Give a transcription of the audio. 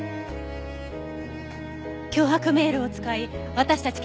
脅迫メールを使い私たち